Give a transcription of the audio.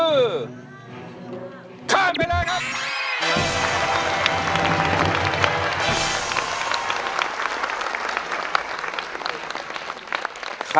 ข้ามไปเลยครับ